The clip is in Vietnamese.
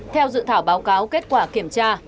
theo dự thảo báo cáo kết quả kiểm tra